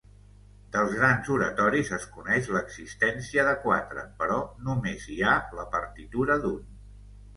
Dels grans oratoris, es coneix l'existència de quatre però només hi ha la partitura d'un.